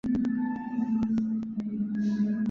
华山报春为报春花科报春花属下的一个种。